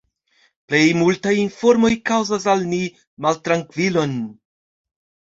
Plej multaj informoj kaŭzas al ni maltrankvilon.